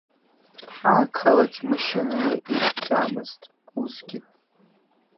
Ақалақь машьынала иҭәӡамызт усгьы.